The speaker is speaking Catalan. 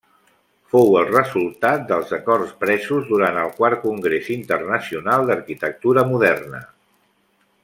Fou el resultat dels acords presos durant el quart Congrés Internacional d'Arquitectura Moderna.